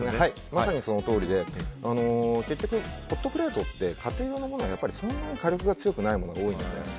まさにそのとおりで結局、ホットプレートって家庭用のものはそんなに火力が強くないものが多いんですね。